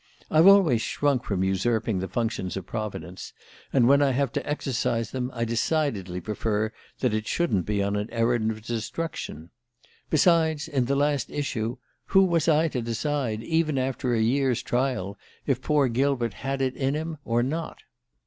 I've always shrunk from usurping the functions of Providence, and when I have to exercise them I decidedly prefer that it shouldn't be on an errand of destruction. Besides, in the last issue, who was I to decide, even after a year's trial, if poor Gilbert had it in him or not?